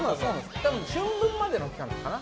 多分、春分までの期間かな。